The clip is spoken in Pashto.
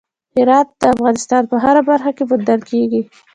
هرات د افغانستان په هره برخه کې موندل کېږي.